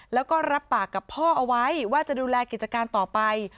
แล้วก็รับปากกับพ่อเอาไว้ว่าจะดูแลกิจการต่อไป